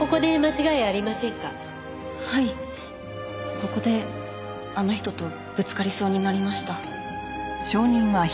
ここであの人とぶつかりそうになりました。